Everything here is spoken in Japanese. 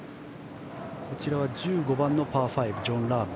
１５番のパー５ジョン・ラーム。